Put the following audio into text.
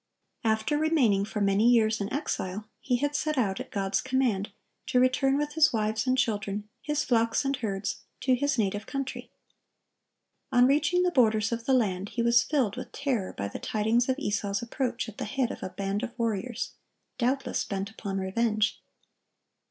After remaining for many years an exile, he had set out, at God's command, to return with his wives and children, his flocks and herds, to his native country. On reaching the borders of the land, he was filled with terror by the tidings of Esau's approach at the head of a band of warriors, doubtless bent upon revenge.